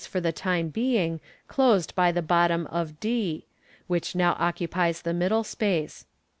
for the time being, closed by the bottom of d, which now occupies the middle space.